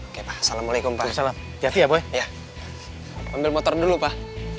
oke pak assalamualaikum pak salam siap ya boy ambil motor dulu pak